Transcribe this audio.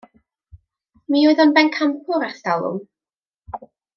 Mi oedd o'n bencampwr ers talwm.